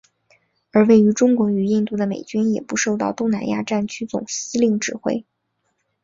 而位于中国与印度的美军也不受到东南亚战区总司令指挥。